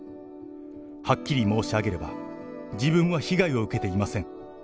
はっきり申し上げれば、自分は被害を受けていません。